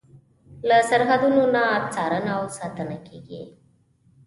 له سرحدونو نه څارنه او ساتنه کیږي.